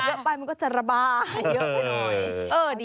เยอะไปมันก็จะระบายเยอะไปหน่อย